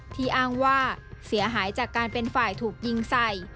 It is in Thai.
อ้างว่าเสียหายจากการเป็นฝ่ายถูกยิงใส่